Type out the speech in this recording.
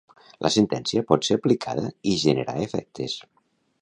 La sentència pot ser aplicada i generar efectes.